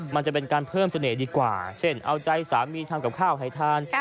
มันจะเป็นการเพิ่มเสน่ห์ดีกว่าเช่นเอาใจสามีทำกับข้าวให้ทาน